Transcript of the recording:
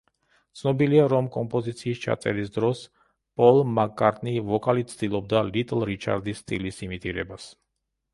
ცნობილია, რომ კომპოზიციის ჩაწერის დროს პოლ მაკ-კარტნი ვოკალით ცდილობდა ლიტლ რიჩარდის სტილის იმიტირებას.